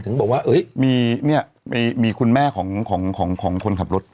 ถึงบอกว่ามีคุณแม่ของคนขับรถ